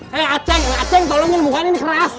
hei aceng aceng tolongin mukanya ini keras